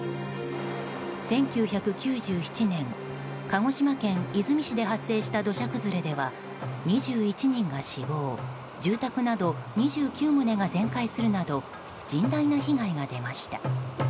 １９９７年、鹿児島県出水市で発生した土砂崩れでは２１人が死亡住宅など２９棟が全壊するなど甚大な被害が出ました。